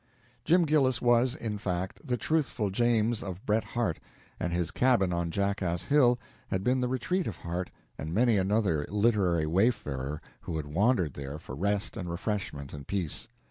Jim Gillis was, in fact, the Truthful James of Bret Harte, and his cabin on jackass Hill had been the retreat of Harte and many another literary wayfarer who had wandered there for rest and refreshment and peace.